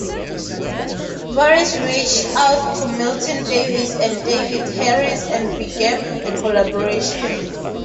Farris reached out to Milton Davis and David Harris and began a collaboration.